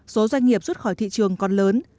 số doanh nghiệp xuất khỏi thị trường còn lớn